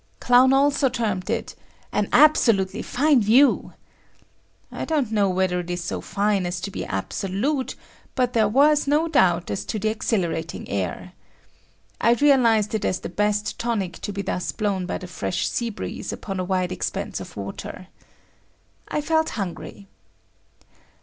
Clown also termed it "an absolutely fine view." I don't know whether it is so fine as to be absolute, but there was no doubt as to the exhilarating air. I realized it as the best tonic to be thus blown by the fresh sea breeze upon a wide expanse of water. I felt hungry.